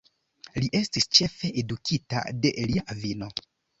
Li estis ĉefe edukita de lia avino.